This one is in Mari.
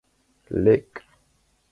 Лек!..